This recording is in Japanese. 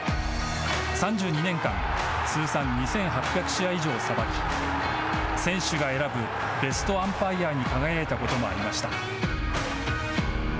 ３２年間、通算２８００試合以上をさばき選手が選ぶベストアンパイアに輝いたこともありました。